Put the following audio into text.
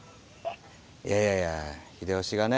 いやいやいや秀吉がね